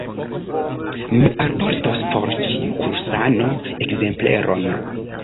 Mi alportos por ĉiu kursano ekzempleron.